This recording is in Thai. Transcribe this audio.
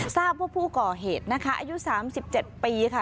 ทราบว่าผู้ก่อเหตุนะคะอายุ๓๗ปีค่ะ